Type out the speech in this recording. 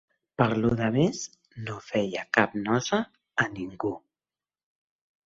Per lo demés, no feia cap nosa a ningú.